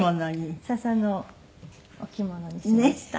笹のお着物にしました。